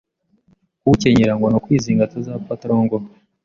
kuwukenyera ngo ni ukwizinga akazapfa atarongowe